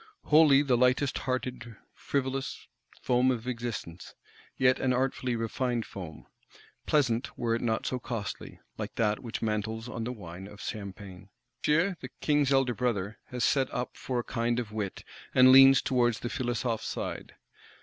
Wholly the lightest hearted frivolous foam of Existence; yet an artfully refined foam; pleasant were it not so costly, like that which mantles on the wine of Champagne! Monsieur, the King's elder Brother, has set up for a kind of wit; and leans towards the Philosophe side.